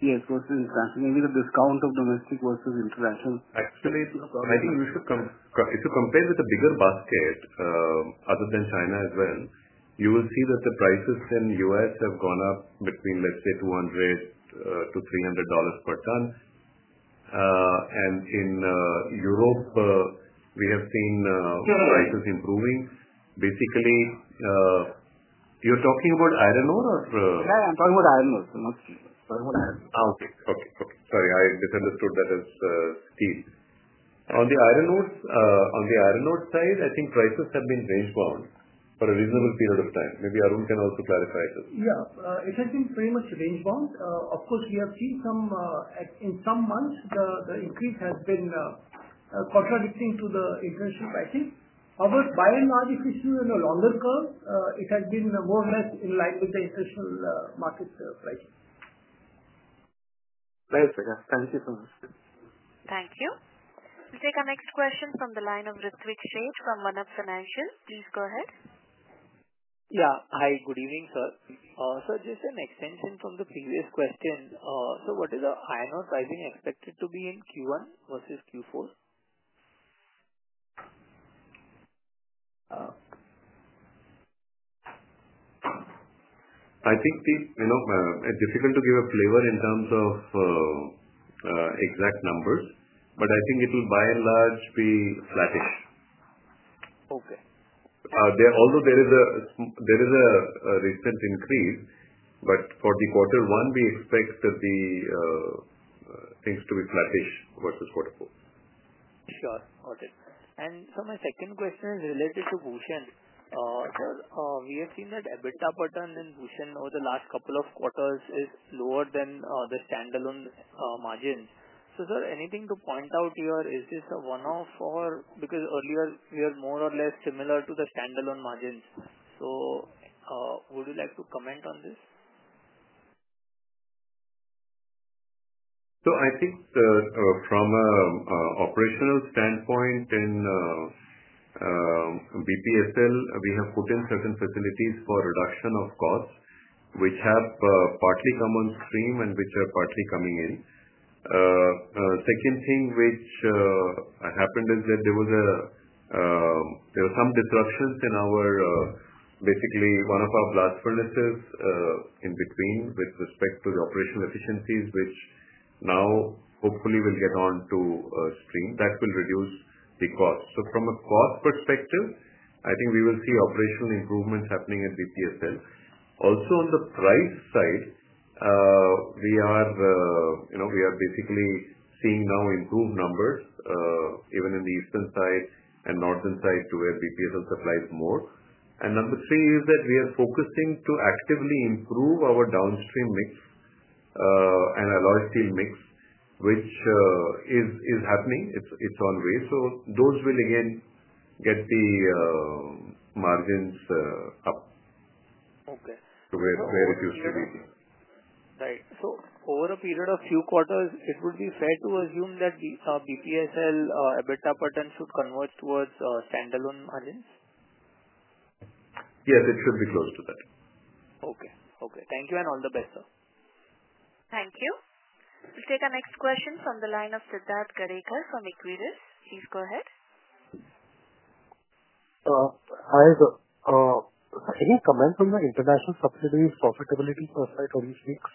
Yes. Yes. Versus international. Maybe the discount of domestic versus international. Actually, I think if you compare with a bigger basket other than China as well, you will see that the prices in the U.S. have gone up between, let's say, $200-$300 per ton. And in Europe, we have seen prices improving. Basically, you're talking about iron ore or? Yeah. I'm talking about iron ore. I'm not sure. I'm talking about iron ore. Okay. Sorry. I misunderstood that as steel. On the iron ore, on the iron ore side, I think prices have been range-bound for a reasonable period of time. Maybe Arun can also clarify this. Yeah. It has been pretty much range-bound. Of course, we have seen in some months, the increase has been contradicting to the international pricing. However, by and large, if we see in the longer term, it has been more or less in line with the international market prices. Very good. Thank you so much. Thank you. We'll take our next question from the line of Ritwik Sheth from One Up Financial. Please go ahead. Yeah. Hi. Good evening, sir. Sir, just an extension from the previous question. What is the iron ore pricing expected to be in Q1 versus Q4? I think it is difficult to give a flavor in terms of exact numbers, but I think it will by and large be flattish. Okay. Although there is a recent increase, for quarter one, we expect things to be flattish versus quarter four. Sure. Got it. My second question is related to Bhushan. Sir, we have seen that EBITDA pattern in Bhushan over the last couple of quarters is lower than the standalone margins. Sir, anything to point out here? Is this a one-off or because earlier, we were more or less similar to the standalone margins? Would you like to comment on this? I think from an operational standpoint in BPSL, we have put in certain facilities for reduction of costs, which have partly come on stream and which are partly coming in. The second thing which happened is that there was some disruptions in our basically one of our blast furnaces in between with respect to the operational efficiencies, which now hopefully will get on to stream. That will reduce the cost. From a cost perspective, I think we will see operational improvements happening at BPSL. Also, on the price side, we are basically seeing now improved numbers even in the eastern side and northern side to where BPSL supplies more. Number three is that we are focusing to actively improve our downstream mix and our large steel mix, which is happening. It's on way. Those will again get the margins up to where it used to be. Right. Over a period of few quarters, it would be fair to assume that BPSL EBITDA pattern should converge towards standalone margins? Yes. It should be close to that. Okay. Okay. Thank you and all the best, sir. Thank you. We'll take our next question from the line of Siddharth Gadekar from Equiris. Please go ahead. Hi, sir. Any comment on the international subsidy profitability percentage for these weeks?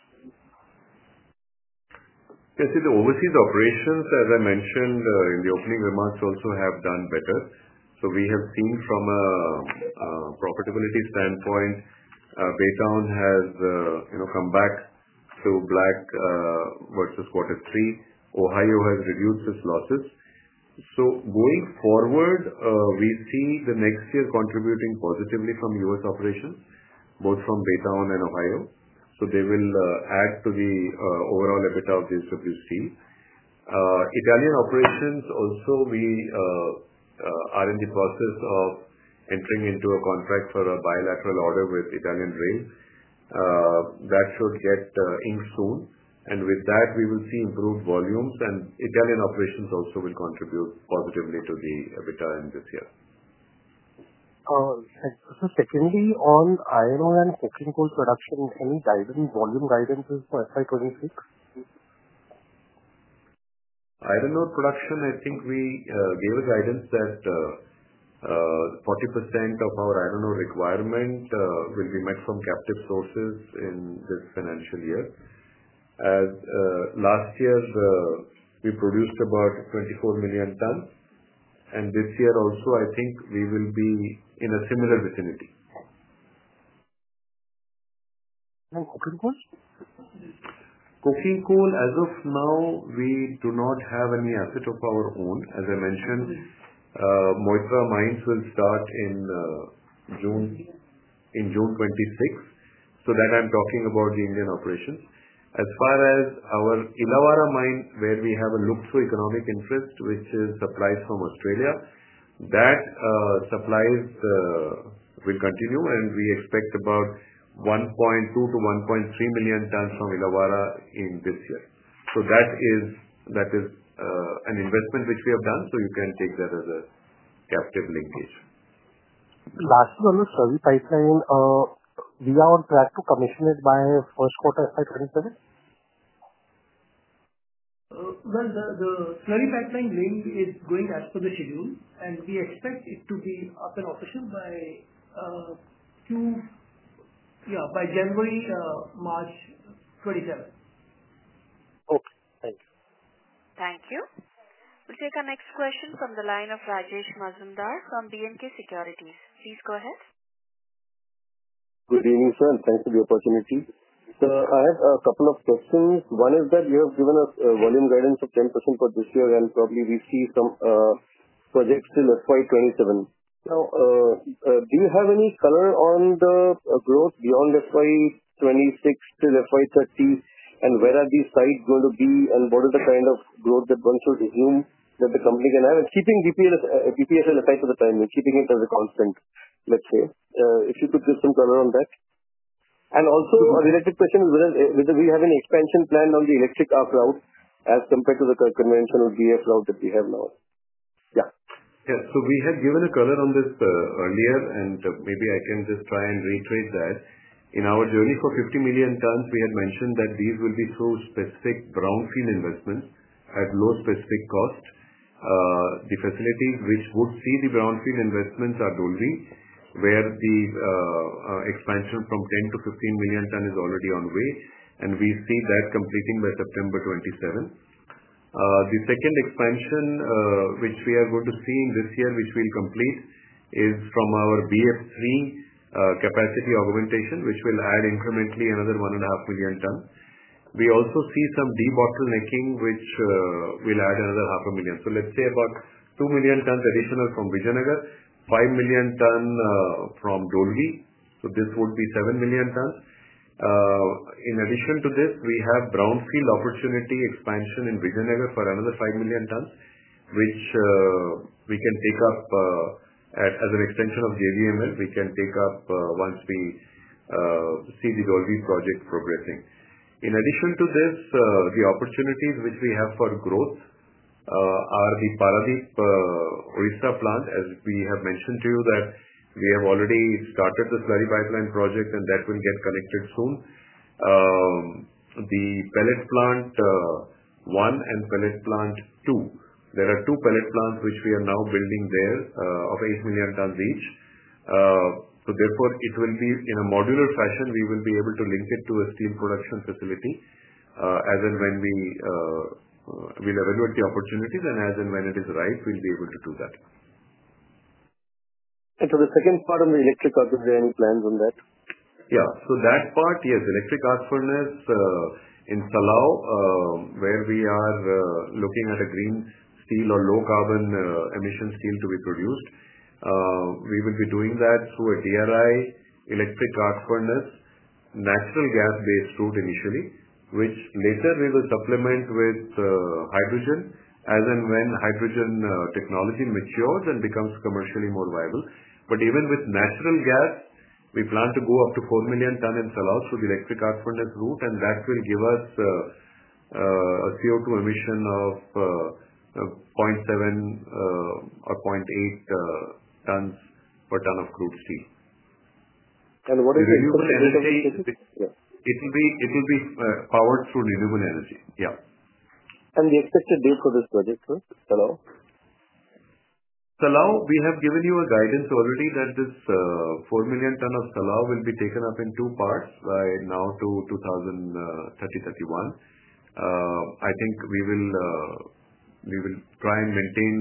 Yes. In the overseas operations, as I mentioned in the opening remarks, also have done better. We have seen from a profitability standpoint, Baytown has come back to black versus quarter three. Ohio has reduced its losses. Going forward, we see the next year contributing positively from U.S. operations, both from Baytown and Ohio. They will add to the overall EBITDA of JSW Steel. Italian operations also, we are in the process of entering into a contract for a bilateral order with Italian Rail. That should get inked soon. With that, we will see improved volumes, and Italian operations also will contribute positively to the EBITDA in this year. Sir, secondly, on iron ore and coking coal production, any volume guidances for FY 2026? Iron ore production, I think we gave a guidance that 40% of our iron ore requirement will be met from captive sources in this financial year. Last year, we produced about 24 million tons, and this year also, I think we will be in a similar vicinity. Coking coal? Coking coal, as of now, we do not have any asset of our own. As I mentioned, Moitra mines will start in June 2026. I am talking about the Indian operations. As far as our Illawarra mine, where we have a luxury economic interest, which is supplies from Australia, that supplies will continue, and we expect about 1.2 milion tons-1.3 million tons from Illawarra in this year. So that is an investment which we have done, so you can take that as a captive linkage. Lastly, on the slurry pipeline, we are on track to commission it by first quarter FY 2027. The slurry pipeline link is going as per the schedule, and we expect it to be up and official by January-March 2027. Thank you. Thank you. We'll take our next question from the line of Rajesh Majumdar from B&K Securities. Please go ahead. Good evening, sir. And thanks for the opportunity. Sir, I have a couple of questions. One is that you have given us a volume guidance of 10% for this year, and probably we see some projects till FY2027. Now, do you have any color on the growth beyond FY 2026 till FY 2030, and where are these sites going to be, and what is the kind of growth that one should assume that the company can have? Keeping BPSL aside for the time, keeping it as a constant, let's say, if you could give some color on that. Also, a related question is whether we have any expansion planned on the electric arc route as compared to the conventional BF route that we have now. Yeah. Yeah. So we had given a color on this earlier, and maybe I can just try and reiterate that. In our journey for 50 million tons, we had mentioned that these will be through specific brownfield investments at low specific cost. The facilities which would see the brownfield investments are Dolvi, where the expansion from 10 million tons-15 million tons is already on way, and we see that completing by September 2027. The second expansion which we are going to see in this year, which we'll complete, is from our BF3 capacity augmentation, which will add incrementally another 1.5 million tons. We also see some de-bottlenecking, which will add another 500,000. Let's say about 2 million tons additional from Vijayanagar, 5 million tons from Dolvi. This would be 7 million tons. In addition to this, we have brownfield opportunity expansion in Vijayanagar for another 5 million tons, which we can take up as an extension of JVML. We can take up once we see the Dolvi project progressing. In addition to this, the opportunities which we have for growth are the Paradeep Oyster Plant, as we have mentioned to you that we have already started the slurry pipeline project, and that will get connected soon. The Pellet Plant 1 and Pellet Plant 2. There are two pellet plants which we are now building there of 8 million tons each. Therefore, it will be in a modular fashion. We will be able to link it to a steel production facility as and when we will evaluate the opportunities, and as and when it is right, we'll be able to do that. For the second part of the electric arcs, is there any plans on that? Yeah. That part, yes. Electric arc furnace in Salav, where we are looking at a green steel or low carbon emission steel to be produced. We will be doing that through a DRI electric arc furnace, natural gas-based route initially, which later we will supplement with hydrogen as and when hydrogen technology matures and becomes commercially more viable. Even with natural gas, we plan to go up to 4 million ton in Salav through the electric arc furnace route, and that will give us a CO2 emission of 0.7 or 0.8 tons per ton of crude steel. What is the expected energy? It will be powered through renewable energy. Yeah. The expected date for this project, sir? Salav? Salav, we have given you a guidance already that this 4 million ton of Salav will be taken up in two parts by now to 2030-2031. I think we will try and maintain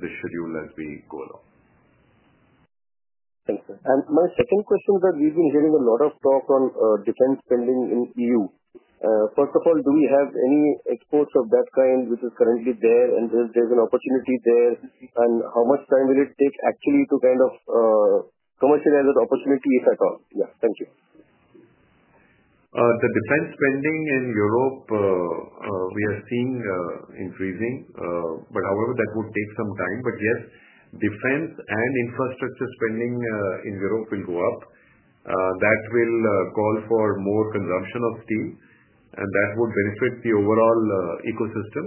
the schedule as we go along. Thank you. My second question is that we've been hearing a lot of talk on defense spending in the EU. First of all, do we have any exports of that kind which is currently there, and there's an opportunity there, and how much time will it take actually to kind of commercialize that opportunity, if at all? Yeah. Thank you. The defense spending in Europe, we are seeing increasing, however, that would take some time. Yes, defense and infrastructure spending in Europe will go up. That will call for more consumption of steel, and that would benefit the overall ecosystem,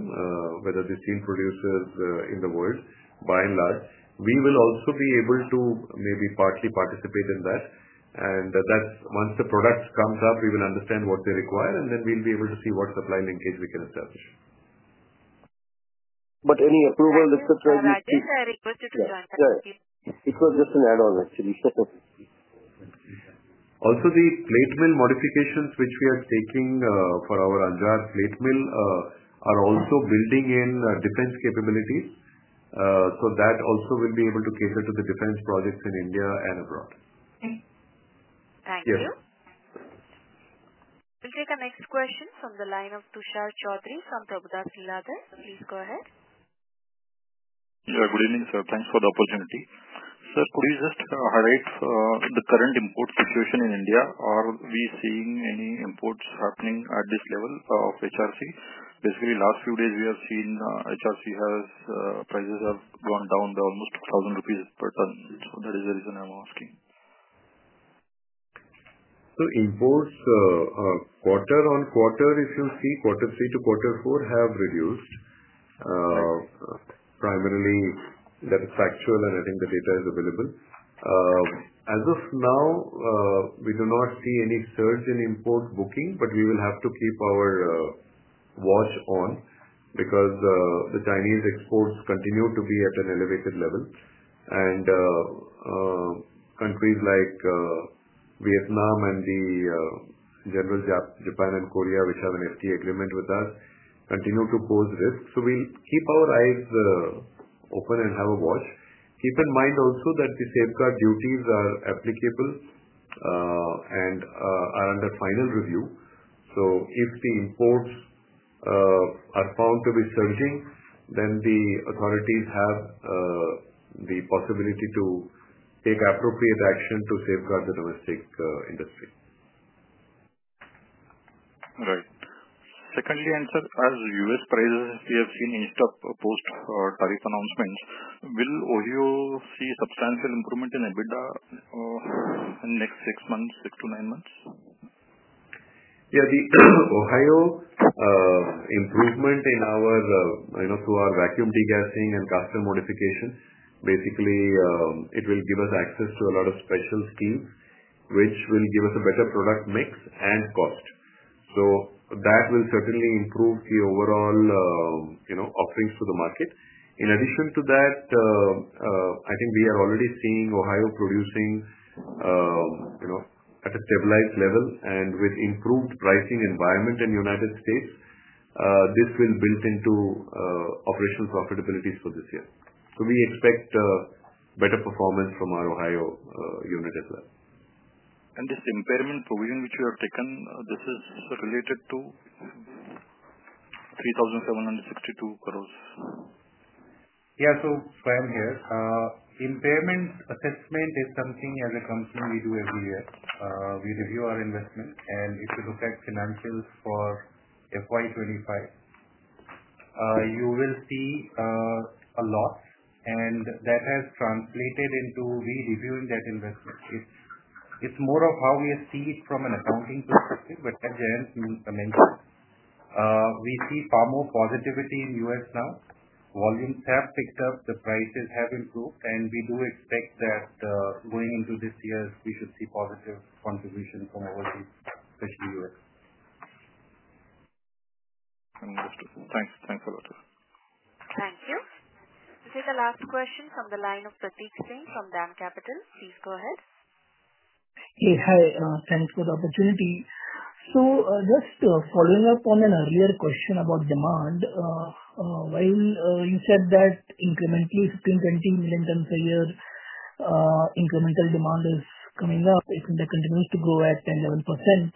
whether the steel producers in the world, by and large. We will also be able to maybe partly participate in that. Once the product comes up, we will understand what they require, and then we will be able to see what supply linkage we can establish. Any approval, etc., you speak to. No, I did not request it to join. It was just an add-on, actually. Also, the plate mill modifications which we are taking for our Anjar plate mill are also building in defense capabilities. That also will be able to cater to the defense projects in India and abroad. Thank you. We will take our next question from the line of Tushar Chaudhari from Prabhudas Lilladher. Please go ahead. Yeah. Good evening, sir. Thanks for the opportunity. Sir, could you just highlight the current import situation in India? Are we seeing any imports happening at this level of HRC? Basically, last few days, we have seen HRC prices have gone down by almost 2,000 rupees per ton. That is the reason I'm asking. Imports, quarter on quarter, if you see, quarter three to quarter four have reduced. Primarily, that is factual, and I think the data is available. As of now, we do not see any surge in import booking, but we will have to keep our watch on because the Chinese exports continue to be at an elevated level. Countries like Vietnam and Japan and Korea, which have an FTA agreement with us, continue to pose risks. We will keep our eyes open and have a watch. Keep in mind also that the safeguard duties are applicable and are under final review. If the imports are found to be surging, then the authorities have the possibility to take appropriate action to safeguard the domestic industry. Right. Secondly, as U.S. prices, we have seen in-stock post tariff announcements. Will Ohio see substantial improvement in EBITDA in the next six months, six months-nine months? Yeah. The Ohio improvement in our, through our vacuum degassing and custom modification, basically, it will give us access to a lot of special schemes, which will give us a better product mix and cost. That will certainly improve the overall offerings to the market. In addition to that, I think we are already seeing Ohio producing at a stabilized level, and with improved pricing environment in the United States, this will build into operational profitabilities for this year. We expect better performance from our Ohio unit as well. And this impairment provision which you have taken, this is related to 3,762 crores? Yeah. If I am here, impairment assessment is something as a company we do every year. We review our investment, and if you look at financials for FY 2025, you will see a loss, and that has translated into redoing that investment. It is more of how we see it from an accounting perspective, but at the end, we mentioned. We see far more positivity in the US now. Volumes have picked up, the prices have improved, and we do expect that going into this year, we should see positive contribution from overseas, especially the U.S. Understood. Thanks. Thanks a lot. Thank you. We will take the last question from the line of Prateek Singh from DAM Capital. Please go ahead. Hey. Hi. Thanks for the opportunity. Just following up on an earlier question about demand, while you said that incrementally 15 million tons-20 million tons a year, incremental demand is coming up. If that continues to grow at 10-11%,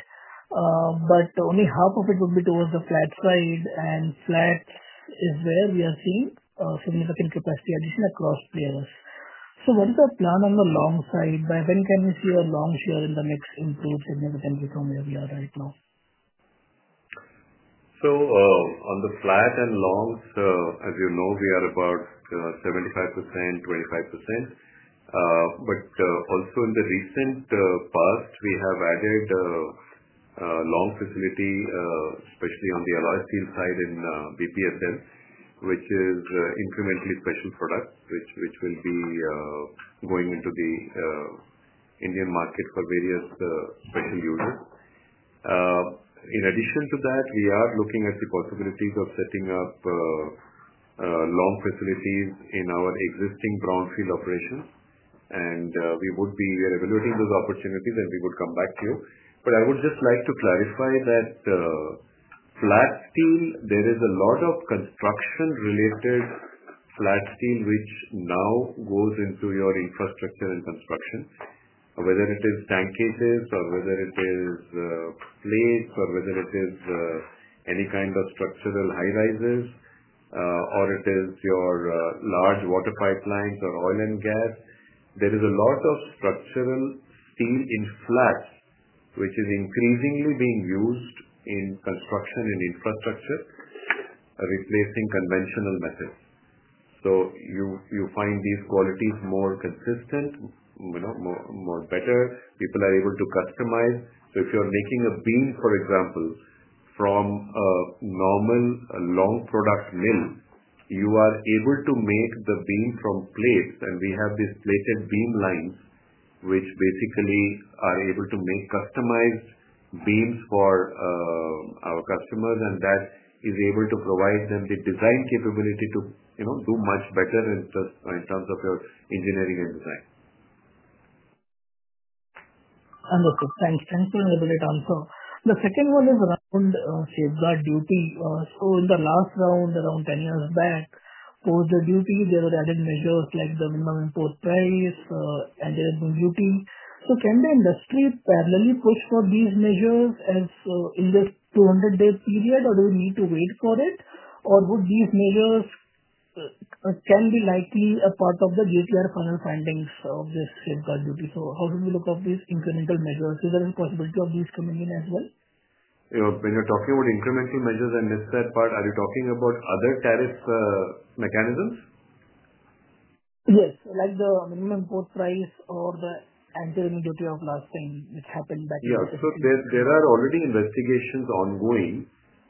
but only half of it would be towards the flat side, and flats is where we are seeing significant capacity addition across players. What is the plan on the long side? By when can we see a long share in the mix improve significantly from where we are right now? On the flat and longs, as you know, we are about 75%, 25%. Also, in the recent past, we have added long facility, especially on the alloy steel side in BPSL, which is incrementally special products, which will be going into the Indian market for various special users. In addition to that, we are looking at the possibilities of setting up long facilities in our existing brownfield operations, and we would be evaluating those opportunities, and we would come back to you. I would just like to clarify that flat steel, there is a lot of construction-related flat steel which now goes into your infrastructure and construction, whether it is tankages or whether it is plates or whether it is any kind of structural high-rises or it is your large water pipelines or oil and gas. There is a lot of structural steel in flats, which is increasingly being used in construction and infrastructure, replacing conventional methods. You find these qualities more consistent, more better. People are able to customize. If you're making a beam, for example, from a normal long product mill, you are able to make the beam from plates, and we have these plated beam lines, which basically are able to make customized beams for our customers, and that is able to provide them the design capability to do much better in terms of your engineering and design. Understood. Thanks. Thanks for the elaborate answer. The second one is around safeguard duty. In the last round, around 10 years back, for the duty, there were added measures like the minimum import price, anti-lipping duty. Can the industry parallelly push for these measures in this 200-day period, or do we need to wait for it? Or would these measures be likely a part of the JTR final findings of this safeguard duty? How should we look at these incremental measures? Is there a possibility of these coming in as well? When you're talking about incremental measures, I missed that part. Are you talking about other tariff mechanisms? Yes. Like the minimum import price or the anti-dumping duty of last time, which happened back in the 2000s. Yeah. There are already investigations ongoing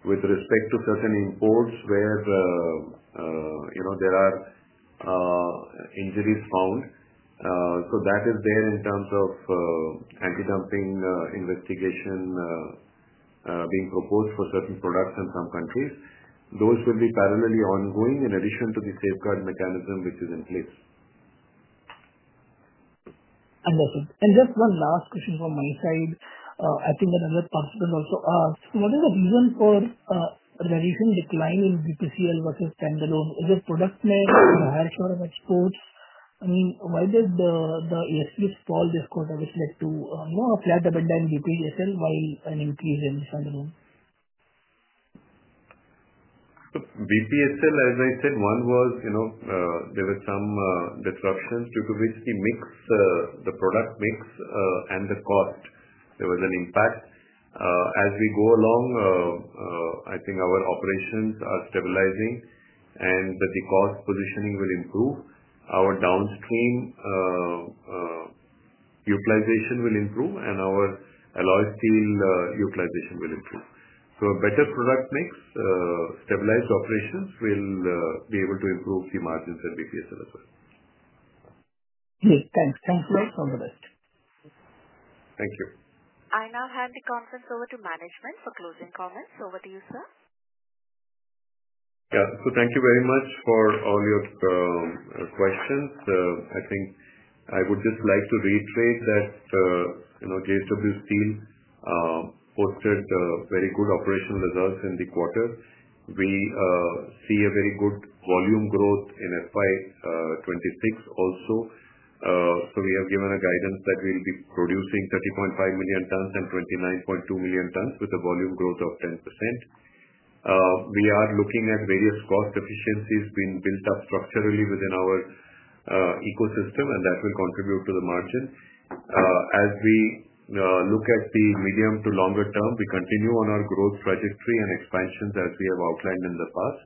with respect to certain imports where there are injuries found. That is there in terms of anti-dumping investigation being proposed for certain products in some countries. Those will be parallelly ongoing in addition to the safeguard mechanism which is in place. Understood. Just one last question from my side. I think another participant also asked, what is the reason for a variation decline in BPSL versus standalone? Is it product-based or higher share of exports? I mean, why did the ASPs fall this quarter, which led to a flat abandon in BPSL while an increase in standalone? BPSL, as I said, one was there were some disruptions due to basically the product mix and the cost. There was an impact. As we go along, I think our operations are stabilizing, and the cost positioning will improve. Our downstream utilization will improve, and our alloy steel utilization will improve. So a better product mix, stabilized operations will be able to improve the margins at BPSL as well. Great. Thanks. Thanks so much for the best. Thank you. I now hand the conference over to management for closing comments. Over to you, sir. Yeah. So thank you very much for all your questions. I think I would just like to reiterate that JSW Steel posted very good operational results in the quarter. We see a very good volume growth in FY 2026 also. We have given a guidance that we'll be producing 30.5 million tons and 29.2 million tons with a volume growth of 10%. We are looking at various cost efficiencies being built up structurally within our ecosystem, and that will contribute to the margin. As we look at the medium to longer term, we continue on our growth trajectory and expansions as we have outlined in the past.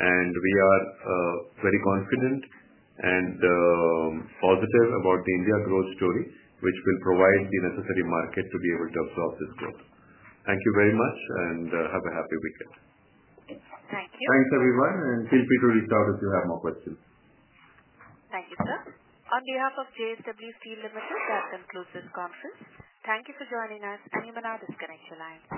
We are very confident and positive about the India growth story, which will provide the necessary market to be able to absorb this growth. Thank you very much, and have a happy weekend. Thank you. Thanks, everyone. Feel free to reach out if you have more questions. Thank you, sir. On behalf of JSW Steel Limited, that concludes this conference. Thank you for joining us, and you may now disconnect your line.